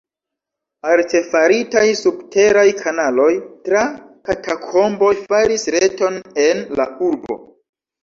Artefaritaj subteraj kanaloj tra katakomboj faris reton en la urbo.